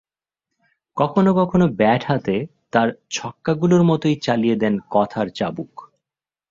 কখনো কখনো ব্যাট হাতে তাঁর ছক্কাগুলোর মতোই চালিয়ে দেন কথার চাবুক।